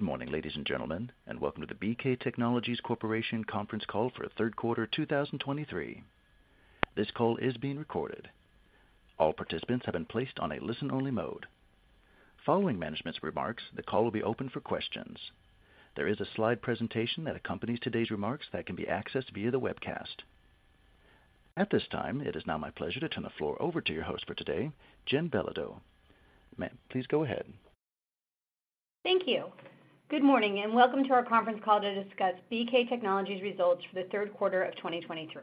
Good morning, ladies and gentlemen, and welcome to the BK Technologies Corporation Conference Call for the Third Quarter, 2023. This call is being recorded. All participants have been placed on a listen-only mode. Following management's remarks, the call will be opened for questions. There is a slide presentation that accompanies today's remarks that can be accessed via the webcast. At this time, it is now my pleasure to turn the floor over to your host for today, Jennifer Belodeau. Ma'am, please go ahead. Thank you. Good morning, and welcome to our conference call to discuss BK Technologies results for the third quarter of 2023.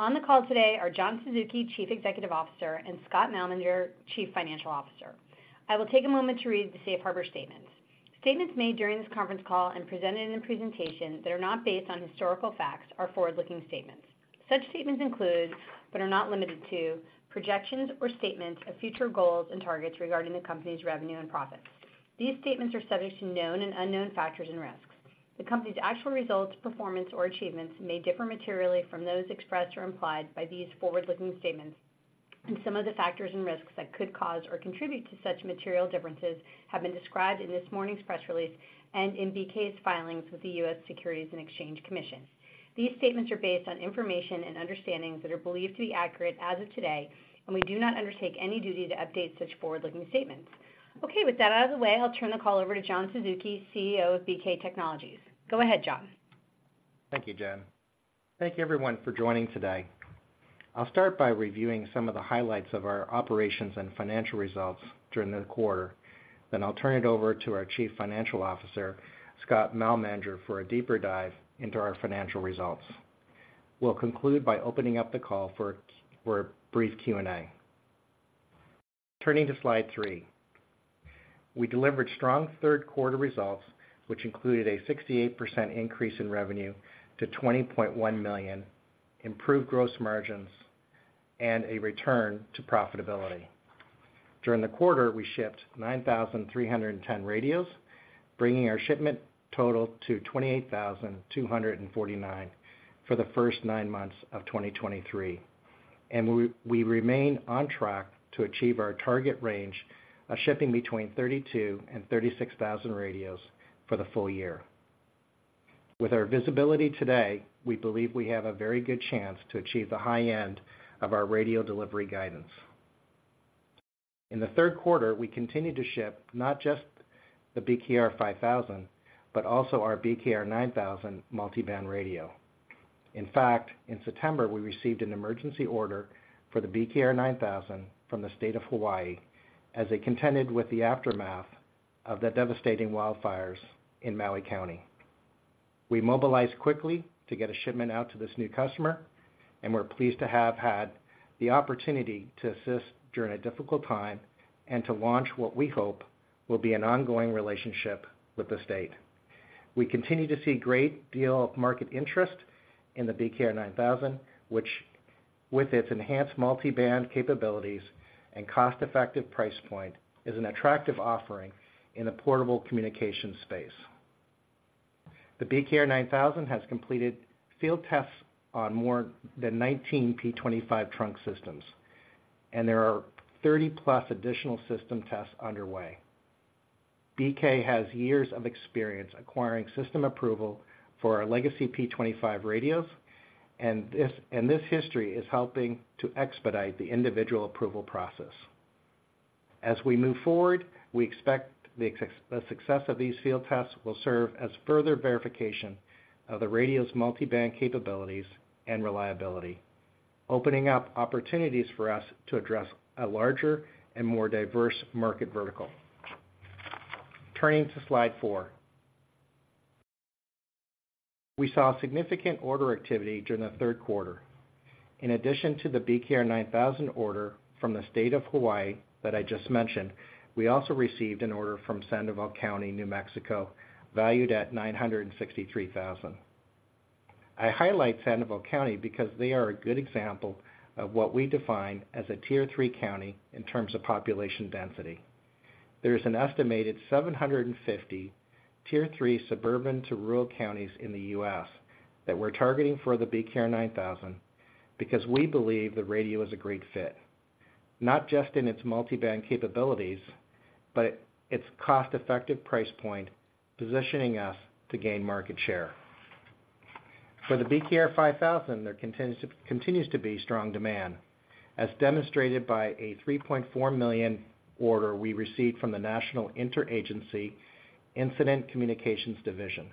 On the call today are John Suzuki, Chief Executive Officer, and Scott Malmanger, Chief Financial Officer. I will take a moment to read the Safe Harbor statement. Statements made during this conference call and presented in the presentation that are not based on historical facts are forward-looking statements. Such statements include, but are not limited to, projections or statements of future goals and targets regarding the company's revenue and profits. These statements are subject to known and unknown factors and risks. The company's actual results, performance, or achievements may differ materially from those expressed or implied by these forward-looking statements, and some of the factors and risks that could cause or contribute to such material differences have been described in this morning's press release and in BK's filings with the U.S. Securities and Exchange Commission. These statements are based on information and understandings that are believed to be accurate as of today, and we do not undertake any duty to update such forward-looking statements. Okay, with that out of the way, I'll turn the call over to John Suzuki, CEO of BK Technologies. Go ahead, John. Thank you, Jen. Thank you, everyone, for joining today. I'll start by reviewing some of the highlights of our operations and financial results during the quarter. Then I'll turn it over to our Chief Financial Officer, Scott Malmanger, for a deeper dive into our financial results. We'll conclude by opening up the call for a brief Q&A. Turning to slide three. We delivered strong third quarter results, which included a 68% increase in revenue to $20.1 million, improved gross margins, and a return to profitability. During the quarter, we shipped 9,310 radios, bringing our shipment total to 28,249 for the first nine months of 2023, and we remain on track to achieve our target range of shipping between 32,000 and 36,000 radios for the full year. With our visibility today, we believe we have a very good chance to achieve the high end of our radio delivery guidance. In the third quarter, we continued to ship not just the BKR 5000, but also our BKR 9000 multiband radio. In fact, in September, we received an emergency order for the BKR 9000 from the state of Hawaii as they contended with the aftermath of the devastating wildfires in Maui County. We mobilized quickly to get a shipment out to this new customer, and we're pleased to have had the opportunity to assist during a difficult time and to launch what we hope will be an ongoing relationship with the state. We continue to see a great deal of market interest in the BKR 9000, which, with its enhanced multiband capabilities and cost-effective price point, is an attractive offering in the portable communication space. The BKR 9000 has completed field tests on more than 19 P25 trunk systems, and there are 30+ additional system tests underway. BK has years of experience acquiring system approval for our legacy P25 radios, and this history is helping to expedite the individual approval process. As we move forward, we expect the success of these field tests will serve as further verification of the radio's multiband capabilities and reliability, opening up opportunities for us to address a larger and more diverse market vertical. Turning to slide four. We saw significant order activity during the third quarter. In addition to the BKR 9000 order from the state of Hawaii that I just mentioned, we also received an order from Sandoval County, New Mexico, valued at $963,000. I highlight Sandoval County because they are a good example of what we define as a Tier III county in terms of population density. There is an estimated 750 Tier III suburban to rural counties in the U.S. that we're targeting for the BKR 9000, because we believe the radio is a great fit, not just in its multiband capabilities, but its cost-effective price point, positioning us to gain market share. For the BKR 5000, there continues to be strong demand, as demonstrated by a $3.4 million order we received from the National Interagency Incident Communications Division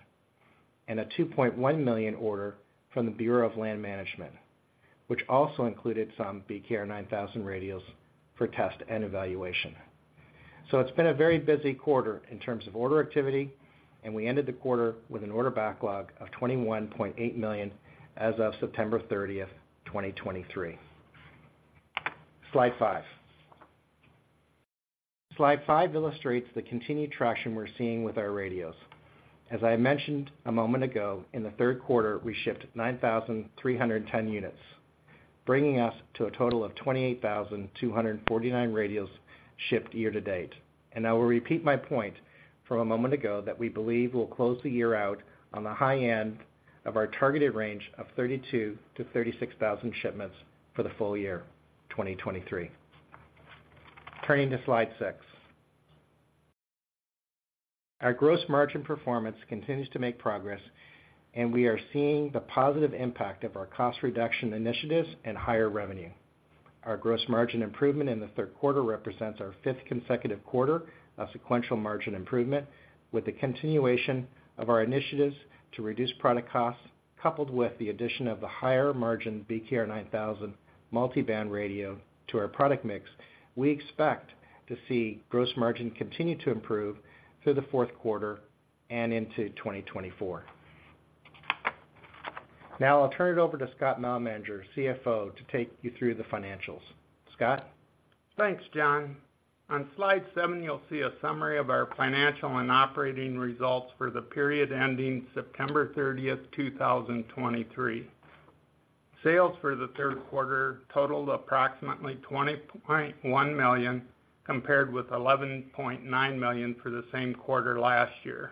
and a $2.1 million order from the Bureau of Land Management, which also included some BKR 9000 radios for test and evaluation. It's been a very busy quarter in terms of order activity, and we ended the quarter with an order backlog of $21.8 million as of September 30th, 2023. Slide five. Slide five illustrates the continued traction we're seeing with our radios. As I mentioned a moment ago, in the third quarter, we shipped 9,310 units, bringing us to a total of 28,249 radios shipped year to date. I will repeat my point from a moment ago that we believe we'll close the year out on the high end of our targeted range of 32,000-36,000 shipments for the full year, 2023.... Turning to slide six. Our gross margin performance continues to make progress, and we are seeing the positive impact of our cost reduction initiatives and higher revenue. Our gross margin improvement in the third quarter represents our fifth consecutive quarter of sequential margin improvement, with the continuation of our initiatives to reduce product costs, coupled with the addition of the higher margin BKR 9000 multiband radio to our product mix. We expect to see gross margin continue to improve through the fourth quarter and into 2024. Now I'll turn it over to Scott Malmanger, CFO, to take you through the financials. Scott? Thanks, John. On slide seven, you'll see a summary of our financial and operating results for the period ending September 30, 2023. Sales for the third quarter totaled approximately $20.1 million, compared with $11.9 million for the same quarter last year.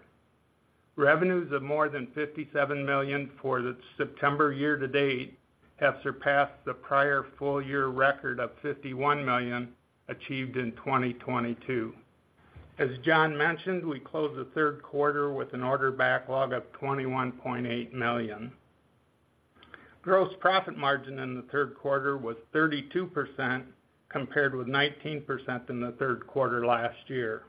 Revenues of more than $57 million for the September year to date have surpassed the prior full year record of $51 million, achieved in 2022. As John mentioned, we closed the third quarter with an order backlog of $21.8 million. Gross profit margin in the third quarter was 32%, compared with 19% in the third quarter last year.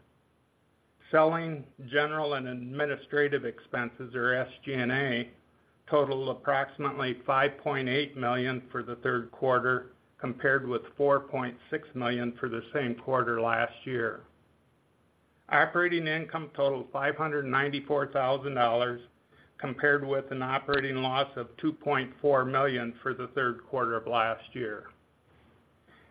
Selling, general, and administrative expenses, or SG&A, totaled approximately $5.8 million for the third quarter, compared with $4.6 million for the same quarter last year. Operating income totaled $594,000, compared with an operating loss of $2.4 million for the third quarter of last year.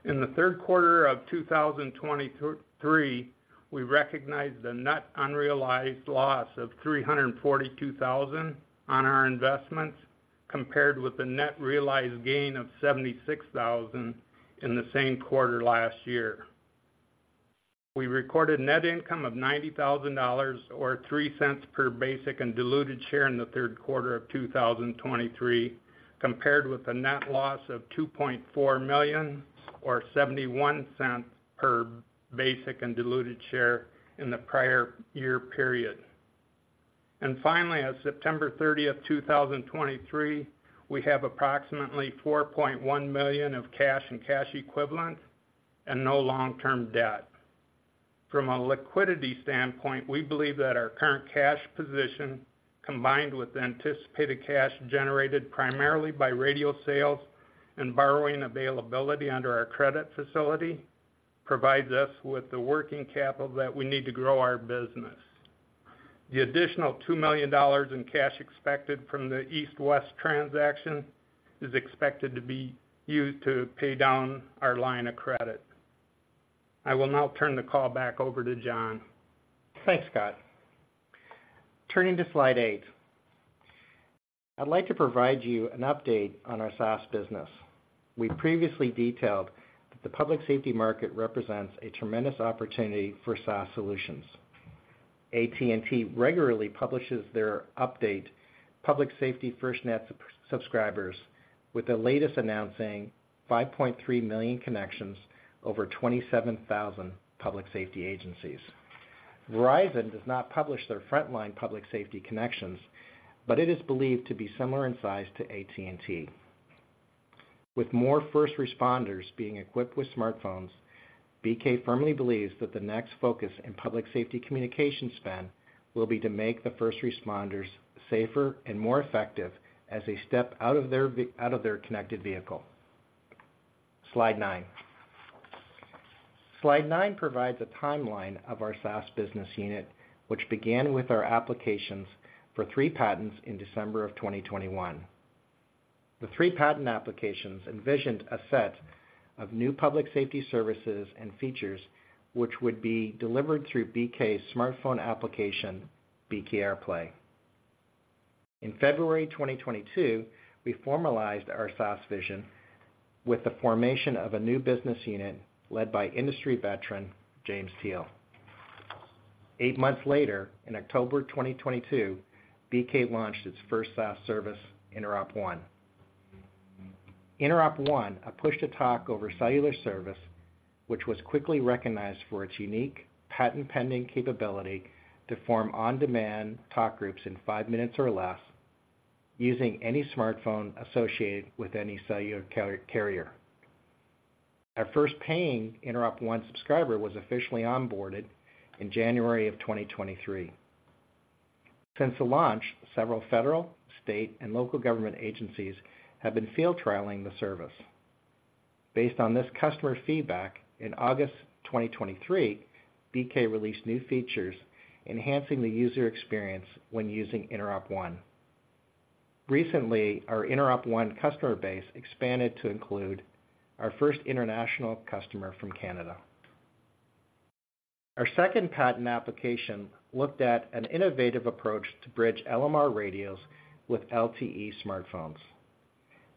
In the third quarter of 2023, we recognized a net unrealized loss of $342,000 on our investments, compared with the net realized gain of $76,000 in the same quarter last year. We recorded net income of $90,000, or $0.03 per basic and diluted share in the third quarter of 2023, compared with a net loss of $2.4 million, or $0.71 per basic and diluted share in the prior year period. Finally, as of September 30th, 2023, we have approximately $4.1 million of cash and cash equivalents and no long-term debt. From a liquidity standpoint, we believe that our current cash position, combined with anticipated cash generated primarily by radio sales and borrowing availability under our credit facility, provides us with the working capital that we need to grow our business. The additional $2 million in cash expected from the East West transaction is expected to be used to pay down our line of credit. I will now turn the call back over to John. Thanks, Scott. Turning to slide eight, I'd like to provide you an update on our SaaS business. We previously detailed that the public safety market represents a tremendous opportunity for SaaS solutions. AT&T regularly publishes their update, Public Safety FirstNet subscribers, with the latest announcing 5.3 million connections over 27,000 public safety agencies. Verizon does not publish their Frontline public safety connections, but it is believed to be similar in size to AT&T. With more first responders being equipped with smartphones, BK firmly believes that the next focus in public safety communication spend will be to make the first responders safer and more effective as they step out of their connected vehicle. Slide nine. Slide nine provides a timeline of our SaaS business unit, which began with our applications for three patents in December of 2021. The three patent applications envisioned a set of new public safety services and features, which would be delivered through BK's smartphone application, BKRplay. In February 2022, we formalized our SaaS vision with the formation of a new business unit led by industry veteran, James Teel. Eight months later, in October 2022, BK launched its first SaaS service, InteropONE. InteropONE, a push-to-talk over cellular service, which was quickly recognized for its unique, patent-pending capability to form on-demand talk groups in five minutes or less, using any smartphone associated with any cellular carrier. Our first paying InteropONE subscriber was officially onboarded in January 2023. Since the launch, several federal, state, and local government agencies have been field trialing the service. Based on this customer feedback, in August 2023, BK released new features enhancing the user experience when using InteropONE. Recently, our InteropONE customer base expanded to include our first international customer from Canada. Our second patent application looked at an innovative approach to bridge LMR radios with LTE smartphones.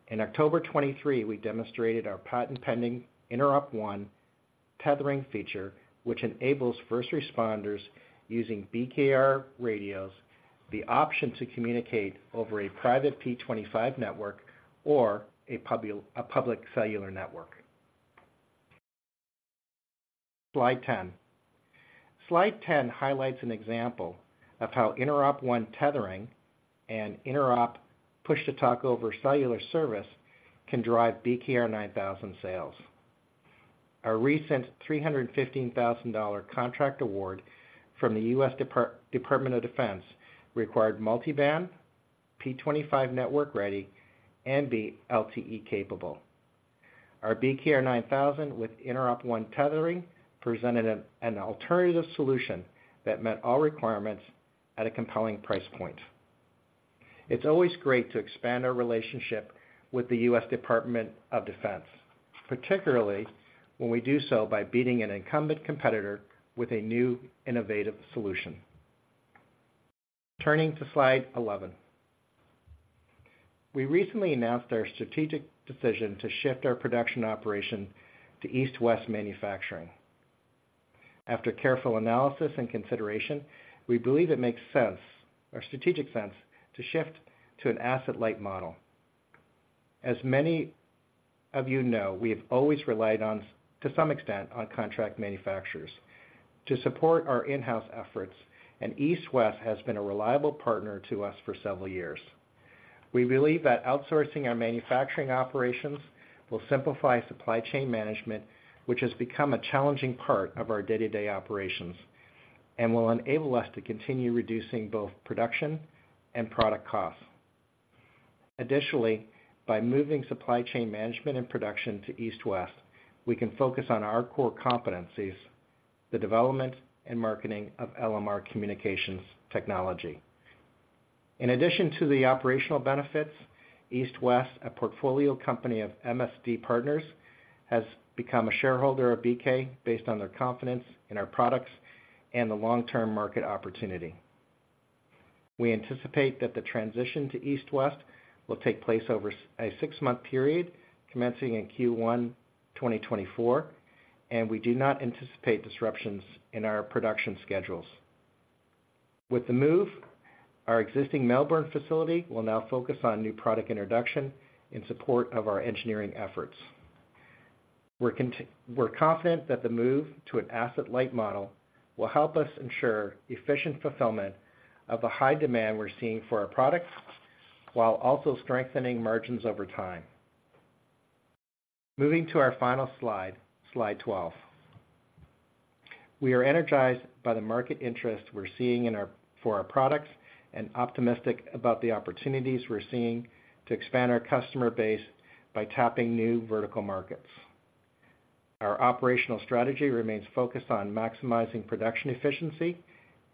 In October 2023, we demonstrated our patent-pending InteropONE tethering feature, which enables first responders using BKR radios the option to communicate over a private P25 network or a public cellular network. Slide 10. Slide 10 highlights an example of how InteropONE tethering and InteropONE push-to-talk over cellular service can drive BKR 9000 sales. Our recent $315,000 contract award from the U.S. Department of Defense required multiband, P25 network ready, and be LTE capable. Our BKR 9000 with InteropONE tethering presented an alternative solution that met all requirements at a compelling price point. It's always great to expand our relationship with the U.S. Department of Defense, particularly when we do so by beating an incumbent competitor with a new innovative solution. Turning to slide 11. We recently announced our strategic decision to shift our production operation to East West Manufacturing. After careful analysis and consideration, we believe it makes sense, or strategic sense, to shift to an asset-light model. As many of you know, we have always relied on, to some extent, on contract manufacturers to support our in-house efforts, and East West has been a reliable partner to us for several years. We believe that outsourcing our manufacturing operations will simplify supply chain management, which has become a challenging part of our day-to-day operations, and will enable us to continue reducing both production and product costs. Additionally, by moving supply chain management and production to East West, we can focus on our core competencies, the development and marketing of LMR communications technology. In addition to the operational benefits, East West, a portfolio company of MSD Partners, has become a shareholder of BK based on their confidence in our products and the long-term market opportunity. We anticipate that the transition to East West will take place over a six-month period, commencing in Q1 2024, and we do not anticipate disruptions in our production schedules. With the move, our existing Melbourne facility will now focus on new product introduction in support of our engineering efforts. We're confident that the move to an asset-light model will help us ensure efficient fulfillment of the high demand we're seeing for our products, while also strengthening margins over time. Moving to our final slide, slide 12. We are energized by the market interest we're seeing in our... for our products, and optimistic about the opportunities we're seeing to expand our customer base by tapping new vertical markets. Our operational strategy remains focused on maximizing production efficiency,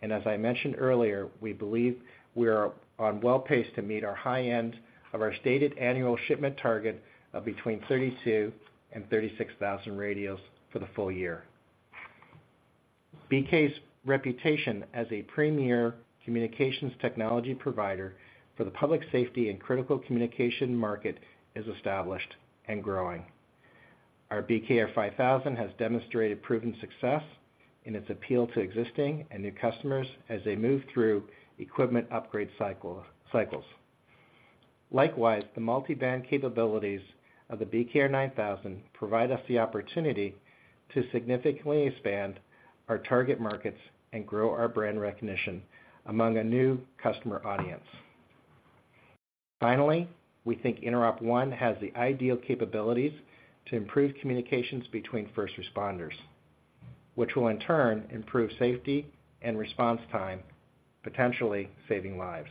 and as I mentioned earlier, we believe we are on well paced to meet our high end of our stated annual shipment target of between 32,000 and 36,000 radios for the full year. BK's reputation as a premier communications technology provider for the public safety and critical communication market is established and growing. Our BKR 5000 has demonstrated proven success in its appeal to existing and new customers as they move through equipment upgrade cycle, cycles. Likewise, the multiband capabilities of the BKR 9000 provide us the opportunity to significantly expand our target markets and grow our brand recognition among a new customer audience. Finally, we think InteropONE has the ideal capabilities to improve communications between first responders, which will in turn improve safety and response time, potentially saving lives.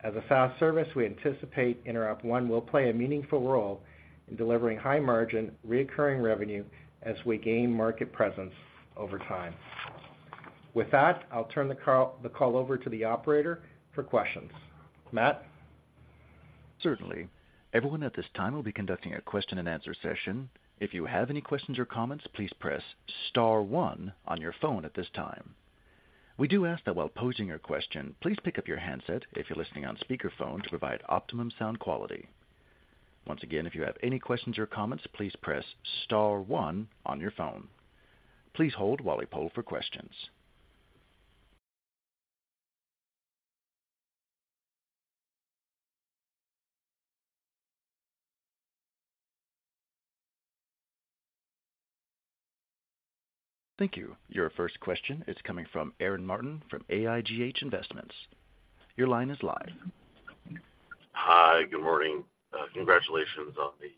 As a SaaS service, we anticipate InteropONE will play a meaningful role in delivering high-margin, recurring revenue as we gain market presence over time. With that, I'll turn the call over to the operator for questions. Matt? Certainly. Everyone at this time, we'll be conducting a question-and-answer session. If you have any questions or comments, please press star one on your phone at this time. We do ask that while posing your question, please pick up your handset if you're listening on speakerphone, to provide optimum sound quality. Once again, if you have any questions or comments, please press star one on your phone. Please hold while we poll for questions. Thank you. Your first question is coming from Aaron Martin, from AIGH Investments. Your line is live. Hi, good morning. Congratulations on the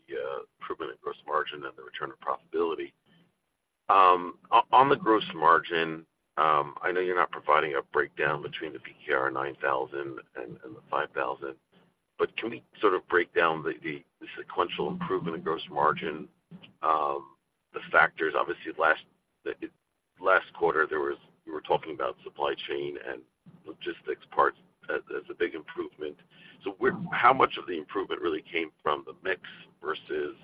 improvement in gross margin and the return of profitability. On the gross margin, I know you're not providing a breakdown between the BKR 9000 and the five thousand, but can we sort of break down the sequential improvement in gross margin? The factors, obviously, last quarter, there was... You were talking about supply chain and logistics parts as a big improvement. So where, how much of the improvement really came from the mix versus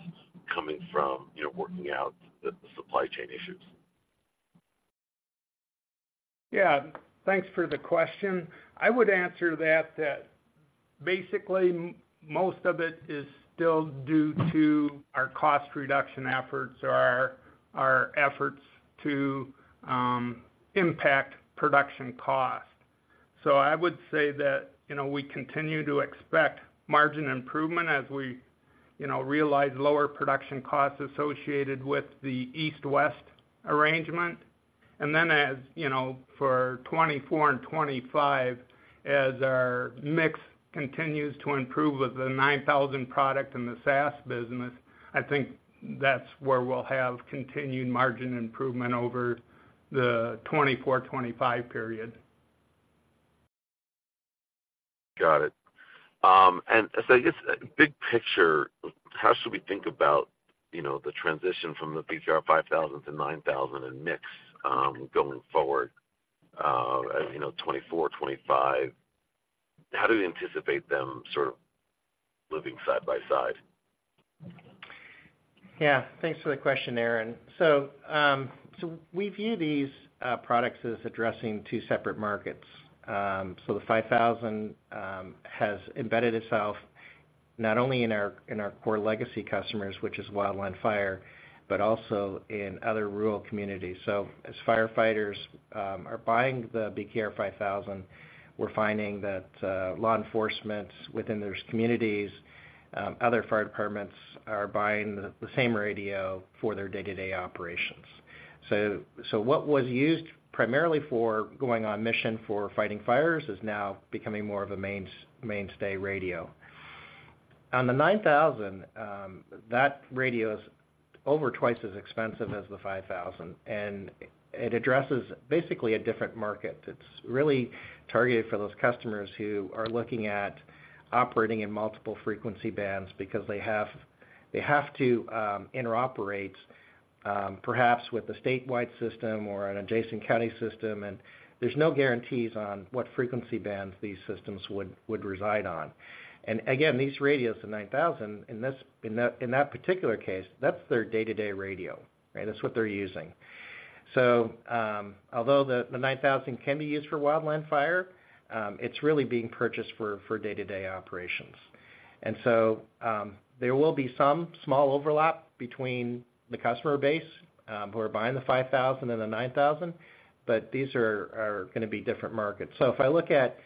coming from, you know, working out the supply chain issues? Yeah, thanks for the question. I would answer that basically most of it is still due to our cost reduction efforts or our efforts to-... impact production cost. So I would say that, you know, we continue to expect margin improvement as we, you know, realize lower production costs associated with the East West arrangement. And then as, you know, for 2024 and 2025, as our mix continues to improve with the BKR 9000 product in the SaaS business, I think that's where we'll have continued margin improvement over the 2024, 2025 period. Got it. And so I guess, big picture, how should we think about, you know, the transition from the BKR 5000 to BKR 9000 and mix, going forward, as, you know, 2024, 2025? How do we anticipate them sort of living side by side? Yeah, thanks for the question, Aaron. So, so we view these, products as addressing two separate markets. So the BKR 5000, has embedded itself not only in our, in our core legacy customers, which is wildland fire, but also in other rural communities. So as firefighters, are buying the BKR 5000, we're finding that, law enforcement within those communities, other fire departments are buying the, the same radio for their day-to-day operations. So, so what was used primarily for going on mission for fighting fires is now becoming more of a mainstay radio. On the BKR 9000, that radio is over twice as expensive as the BKR 5000, and it addresses basically a different market. It's really targeted for those customers who are looking at operating in multiple frequency bands because they have, they have to interoperate, perhaps with a statewide system or an adjacent county system, and there's no guarantees on what frequency bands these systems would reside on. And again, these radios, the 9000, in that particular case, that's their day-to-day radio, right? That's what they're using. So, although the 9000 can be used for wildland fire, it's really being purchased for day-to-day operations. And so, there will be some small overlap between the customer base who are buying the 5000 and the 9000, but these are gonna be different markets. So if I look at...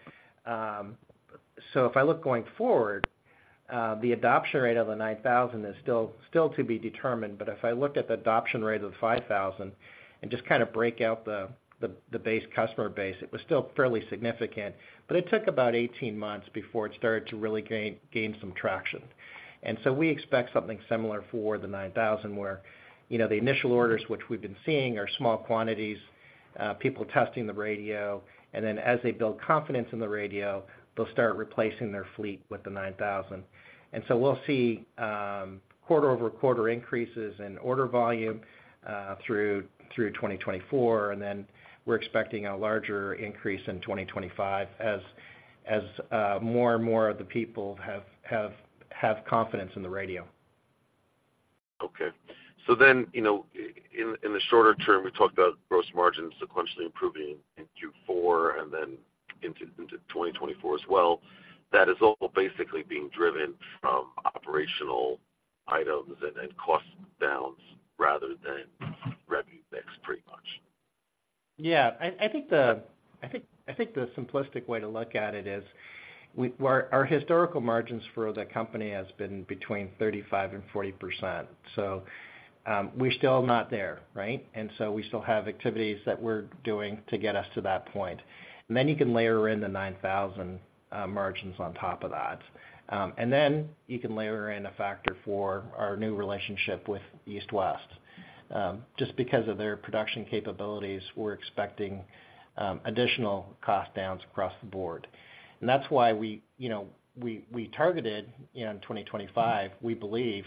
So if I look going forward, the adoption rate of the BKR 9000 is still to be determined, but if I look at the adoption rate of the BKR 5000 and just kinda break out the base customer base, it was still fairly significant, but it took about 18 months before it started to really gain some traction. And so we expect something similar for the BKR 9000, where, you know, the initial orders which we've been seeing are small quantities, people testing the radio, and then as they build confidence in the radio, they'll start replacing their fleet with the BKR 9000. And so we'll see quarter-over-quarter increases in order volume through 2024, and then we're expecting a larger increase in 2025 as more and more of the people have confidence in the radio. Okay. So then, you know, in the shorter term, we talked about gross margins sequentially improving in Q4 and then into 2024 as well. That is all basically being driven from operational items and cost downs rather than revenue mix, pretty much? Yeah. I think the simplistic way to look at it is our historical margins for the company has been between 35% and 40%. So, we're still not there, right? And so we still have activities that we're doing to get us to that point. Then you can layer in the BKR 9000 margins on top of that. And then you can layer in a factor for our new relationship with East West. Just because of their production capabilities, we're expecting additional cost downs across the board. And that's why we, you know, we targeted in 2025, we believe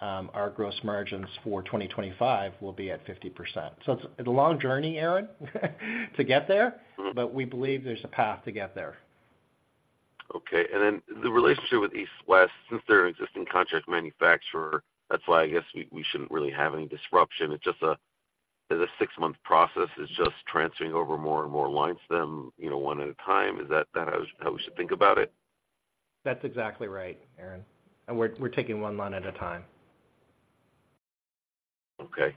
our gross margins for 2025 will be at 50%. So it's a long journey, Aaron, to get there, but we believe there's a path to get there. Okay. And then the relationship with East West, since they're an existing contract manufacturer, that's why I guess we shouldn't really have any disruption. It's just a six-month process, it's just transferring over more and more lines to them, you know, one at a time. Is that how we should think about it? That's exactly right, Aaron. We're taking one line at a time. Okay.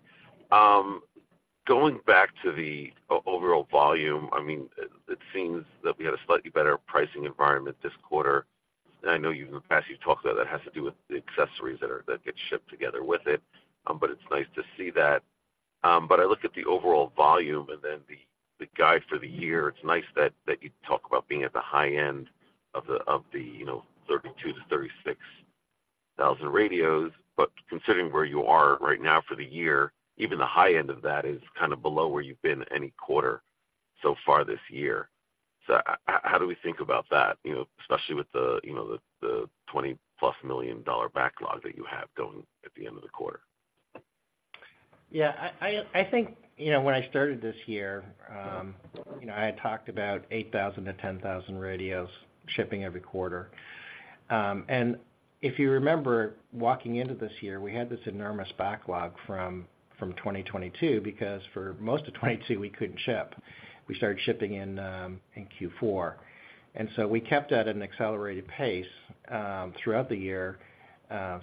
Going back to the overall volume, I mean, it seems that we had a slightly better pricing environment this quarter. And I know you've in the past talked about that has to do with the accessories that get shipped together with it, but it's nice to see that. But I look at the overall volume and then the guide for the year, it's nice that you talk about being at the high end of the, you know, 32,000-36,000 radios. But considering where you are right now for the year, even the high end of that is kind of below where you've been any quarter so far this year. So how do we think about that? You know, especially with the, you know, the $20+ million backlog that you have going at the end of the quarter. Yeah, I think, you know, when I started this year, you know, I had talked about 8,000-10,000 radios shipping every quarter. And if you remember, walking into this year, we had this enormous backlog from 2022, because for most of 2022, we couldn't ship. We started shipping in Q4. And so we kept at an accelerated pace throughout the year,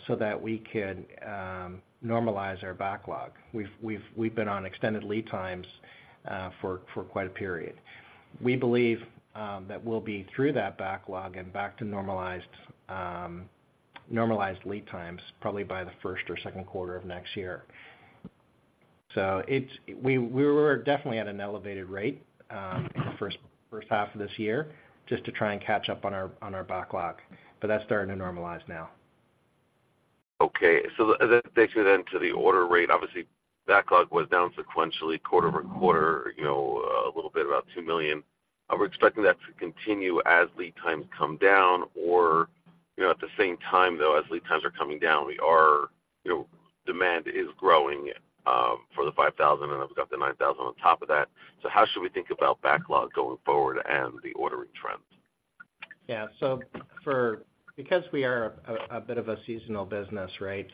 so that we could normalize our backlog. We've been on extended lead times for quite a period. We believe that we'll be through that backlog and back to normalized normalized lead times, probably by the first or second quarter of next year. So we were definitely at an elevated rate in the first half of this year, just to try and catch up on our backlog, but that's starting to normalize now. Okay, so that takes me then to the order rate. Obviously, backlog was down sequentially, quarter-over-quarter, you know, a little bit, about $2 million. Are we expecting that to continue as lead times come down, or, you know, at the same time, though, as lead times are coming down, we are, you know, demand is growing for the BKR 5000, and then we've got the BKR 9000 on top of that. So how should we think about backlog going forward and the ordering trends? Yeah, so because we are a bit of a seasonal business, right?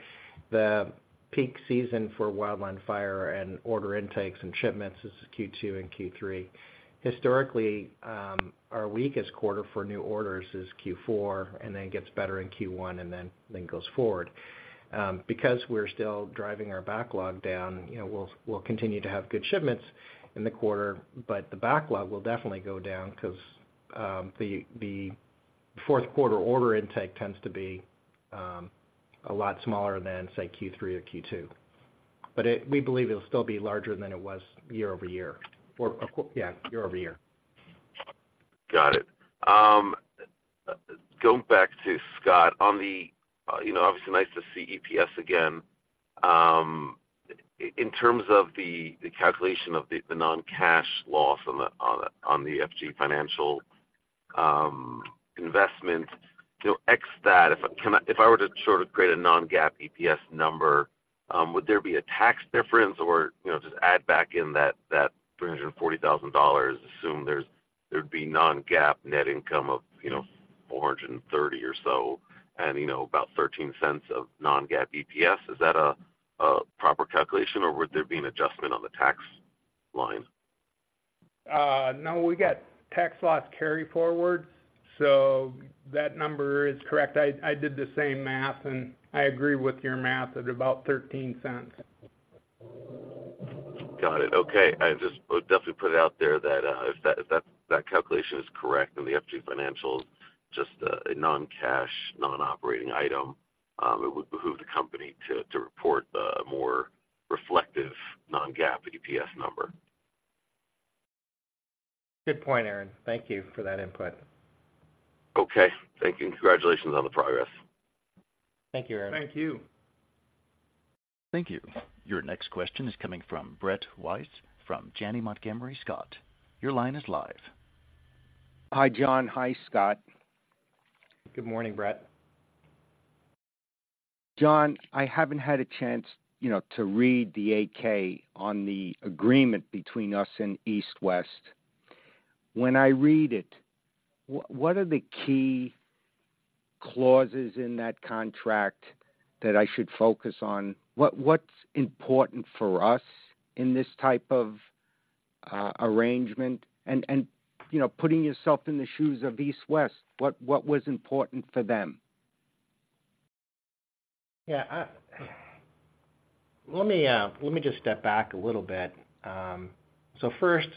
The peak season for wildland fire and order intakes and shipments is Q2 and Q3. Historically, our weakest quarter for new orders is Q4, and then gets better in Q1, and then goes forward. Because we're still driving our backlog down, you know, we'll continue to have good shipments in the quarter, but the backlog will definitely go down because the fourth quarter order intake tends to be a lot smaller than, say, Q3 or Q2. But it, we believe it'll still be larger than it was year over year or of course, yeah, year over year. Got it. Going back to Scott, on the, you know, obviously nice to see EPS again. In terms of the calculation of the non-cash loss on the FG Financial investment, you know, except that, if I were to sort of create a non-GAAP EPS number, would there be a tax difference or, you know, just add back in that $340,000, assume there'd be non-GAAP net income of, you know, $430,000 or so, and, you know, about $0.13 cents of non-GAAP EPS. Is that a proper calculation, or would there be an adjustment on the tax line? No, we got tax loss carry forward, so that number is correct. I did the same math, and I agree with your math at about $0.13. Got it. Okay, I just would definitely put it out there that if that calculation is correct, then the FG Financial is just a non-cash, non-operating item. It would behoove the company to report the more reflective non-GAAP EPS number. Good point, Aaron. Thank you for that input. Okay, thank you, and congratulations on the progress. Thank you, Aaron. Thank you. Thank you. Your next question is coming from Brett Reiss, from Janney Montgomery Scott. Your line is live. Hi, John. Hi, Scott. Good morning, Brett. John, I haven't had a chance, you know, to read the 8-K on the agreement between us and East West. When I read it, what are the key clauses in that contract that I should focus on? What's important for us in this type of arrangement? And, you know, putting yourself in the shoes of East West, what was important for them? Yeah, let me just step back a little bit. So first,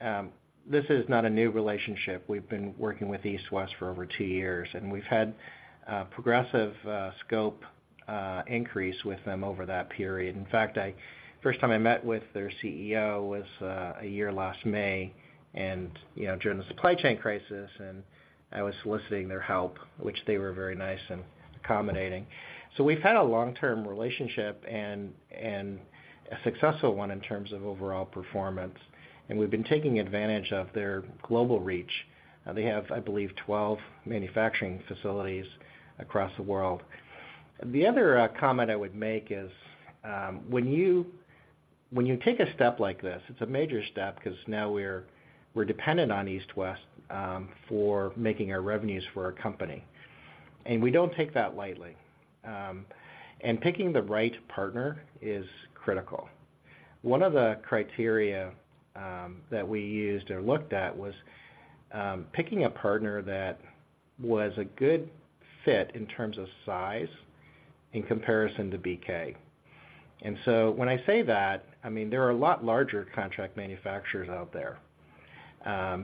this is not a new relationship. We've been working with East West for over two years, and we've had progressive scope increase with them over that period. In fact, first time I met with their CEO was a year last May, and, you know, during the supply chain crisis, and I was soliciting their help, which they were very nice and accommodating. So we've had a long-term relationship and a successful one in terms of overall performance, and we've been taking advantage of their global reach. They have, I believe, 12 manufacturing facilities across the world. The other comment I would make is, when you, when you take a step like this, it's a major step because now we're, we're dependent on East West, for making our revenues for our company, and we don't take that lightly. And picking the right partner is critical. One of the criteria that we used or looked at was, picking a partner that was a good fit in terms of size in comparison to BK. And so when I say that, I mean, there are a lot larger contract manufacturers out there.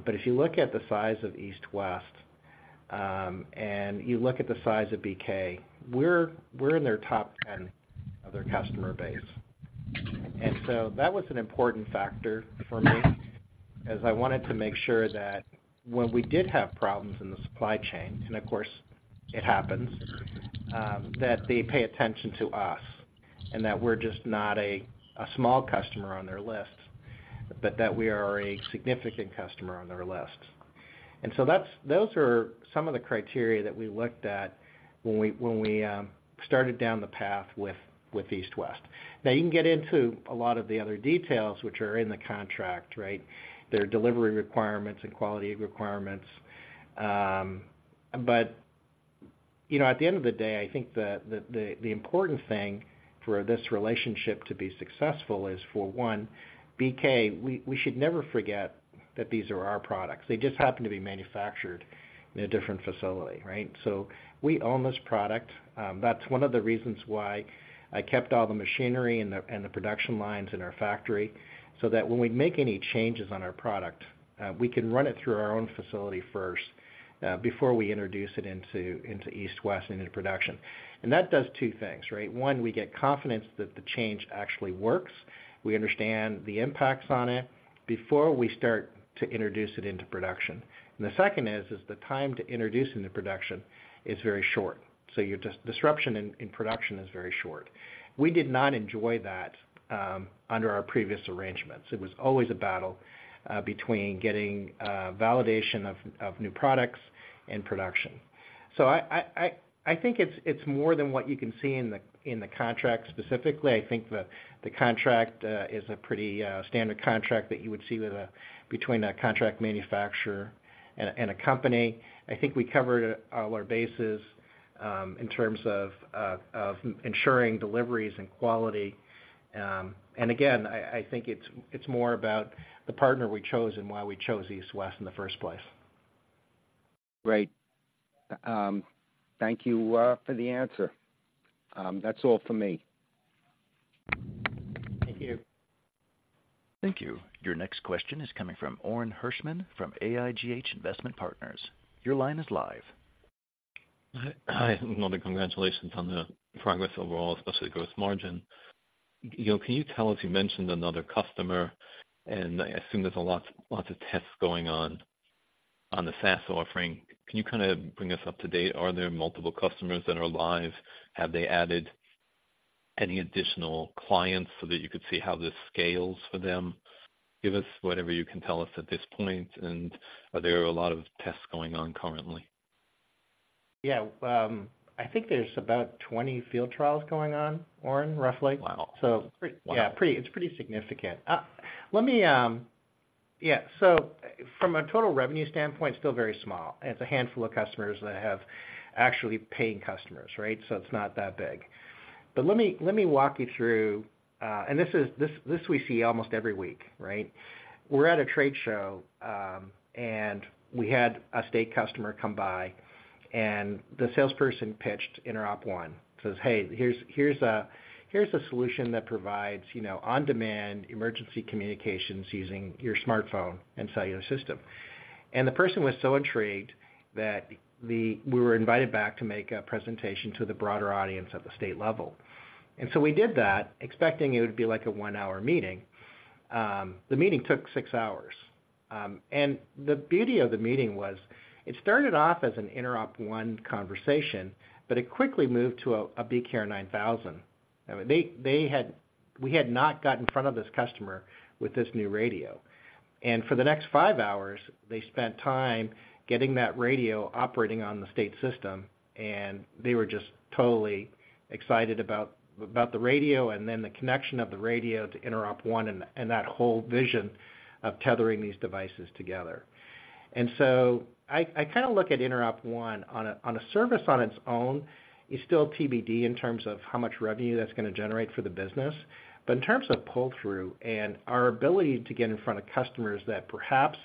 But if you look at the size of East West, and you look at the size of BK, we're, we're in their top 10 of their customer base. And so that was an important factor for me, as I wanted to make sure that when we did have problems in the supply chain, and of course, it happens, that they pay attention to us and that we're just not a small customer on their list, but that we are a significant customer on their list. And so that's—those are some of the criteria that we looked at when we started down the path with East West. Now, you can get into a lot of the other details which are in the contract, right? There are delivery requirements and quality requirements. But, you know, at the end of the day, I think the important thing for this relationship to be successful is, for one, BK, we should never forget that these are our products. They just happen to be manufactured in a different facility, right? So we own this product. That's one of the reasons why I kept all the machinery and the production lines in our factory, so that when we make any changes on our product, we can run it through our own facility first, before we introduce it into East West into production. And that does two things, right? One, we get confidence that the change actually works. We understand the impacts on it before we start to introduce it into production. And the second is, the time to introduce into production is very short, so your disruption in production is very short. We did not enjoy that under our previous arrangements. It was always a battle between getting validation of new products and production. So I think it's more than what you can see in the contract. Specifically, I think the contract is a pretty standard contract that you would see between a contract manufacturer and a company. I think we covered all our bases in terms of ensuring deliveries and quality. And again, I think it's more about the partner we chose and why we chose East West in the first place. Great. Thank you for the answer. That's all for me. Thank you. Thank you. Your next question is coming from Orin Hirschman, from AIGH Investment Partners. Your line is live. Hi. Another congratulations on the progress overall, especially gross margin. You know, can you tell us? You mentioned another customer, and I assume there's lots of tests going on the SaaS offering. Can you kind of bring us up to date? Are there multiple customers that are live? Have they added any additional clients so that you could see how this scales for them? Give us whatever you can tell us at this point, and are there a lot of tests going on currently? Yeah, I think there's about 20 field trials going on, Oren, roughly. Wow. So pretty- Wow! Yeah, it's pretty significant. Let me. Yeah, so from a total revenue standpoint, still very small. It's a handful of customers that I have, actually paying customers, right? So it's not that big. But let me walk you through, and this we see almost every week, right? We're at a trade show, and we had a state customer come by, and the salesperson pitched InteropONE. Says, "Hey, here's a solution that provides, you know, on-demand emergency communications using your smartphone and cellular system." And the person was so intrigued that we were invited back to make a presentation to the broader audience at the state level. And so we did that, expecting it would be like a one-hour meeting. The meeting took six hours. And the beauty of the meeting was it started off as an InteropONE conversation, but it quickly moved to a BKR 9000. I mean, they had we had not got in front of this customer with this new radio, and for the next five hours, they spent time getting that radio operating on the state system, and they were just totally excited about the radio and then the connection of the radio to InteropONE and that whole vision of tethering these devices together. And so I kinda look at InteropONE on a service on its own is still TBD in terms of how much revenue that's gonna generate for the business. But in terms of pull-through and our ability to get in front of customers, that perhaps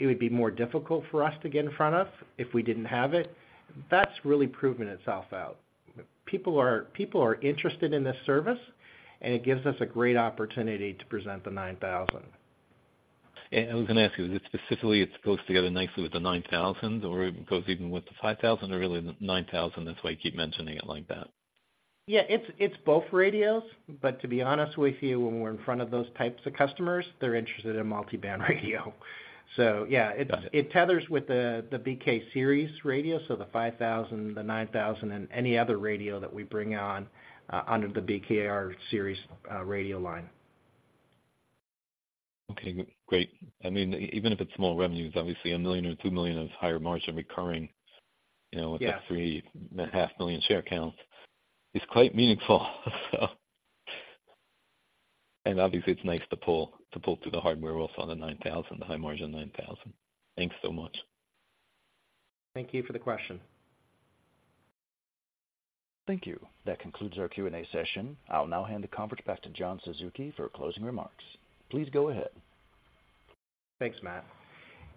it would be more difficult for us to get in front of if we didn't have it, that's really proven itself out. People are, people are interested in this service, and it gives us a great opportunity to present the 9000. Yeah, I was gonna ask you, is it specifically it goes together nicely with the BKR 9000, or it goes even with the BKR 5000, or really the BKR 9000, that's why you keep mentioning it like that? Yeah, it's both radios, but to be honest with you, when we're in front of those types of customers, they're interested in multi-band radio. So yeah, it tethers with the BKR Series radio, so the BKR 5000, the BKR 9000, and any other radio that we bring on under the BKR Series radio line. Okay, great. I mean, even if it's small revenues, obviously $1 million or $2 million of higher margin recurring, you know- Yeah.... with a 3.5 million share count, it's quite meaningful. So... And obviously, it's nice to pull through the hardware also on the BKR 9000, the high margin BKR 9000. Thanks so much. Thank you for the question. Thank you. That concludes our Q&A session. I'll now hand the conference back to John Suzuki for closing remarks. Please go ahead. Thanks, Matt.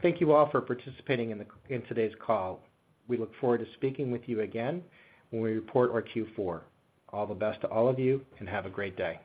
Thank you all for participating in today's call. We look forward to speaking with you again when we report our Q4. All the best to all of you, and have a great day.